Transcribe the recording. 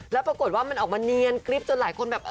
แล้วปรากฏว่ามันออกมาเนียนกริ๊บจนหลายคนแบบ